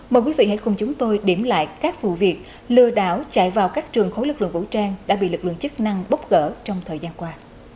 mời quý vị hãy cùng chúng tôi điểm lại các vụ việc lừa đảo chạy vào các trường khối lực lượng vũ trang đã bị lực lượng chức năng bóc gỡ trong thời gian qua